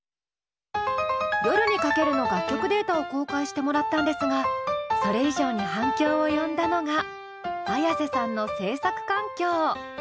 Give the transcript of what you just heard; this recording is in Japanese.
「夜に駆ける」の楽曲データを公開してもらったんですがそれ以上に反響を呼んだのがＡｙａｓｅさんの制作環境。